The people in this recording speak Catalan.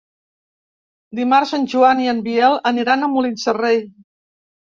Dimarts en Joan i en Biel aniran a Molins de Rei.